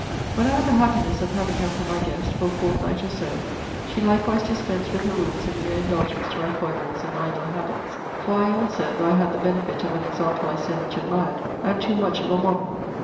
When I had the happiness of having her for my guest, for a fortnight or so, she likewise dispensed with her rules in mere indulgence to my foibles, and idler habits; for I also, (though I had the benefit of an example I so much admired) am too much of a modern.